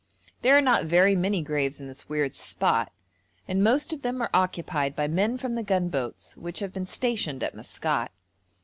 There are not very many graves in this weird spot, and most of them are occupied by men from the gunboats which have been stationed at Maskat.